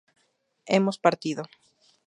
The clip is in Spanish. hemos partido